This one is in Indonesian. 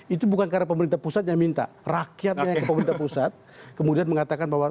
itu bukan karena pemerintah pusat yang minta rakyatnya yang pemerintah pusat kemudian mengatakan bahwa